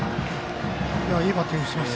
いいバッティングしてます。